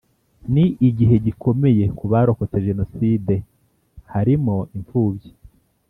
ni igihe gikomeye ku barokotse jenoside harimo imfubyi